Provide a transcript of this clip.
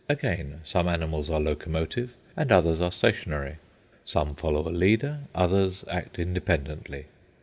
Again, some animals are locomotive, and others are stationary. Some follow a leader, others act independently.